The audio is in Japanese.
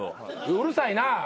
うるさいな！